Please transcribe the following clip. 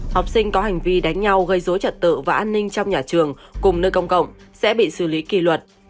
học sinh có hành vi đánh nhau gây dối trật tự và an ninh trong nhà trường cùng nơi công cộng sẽ bị xử lý kỳ luật